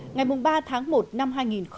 ngày ba tháng một năm hai nghìn một mươi tám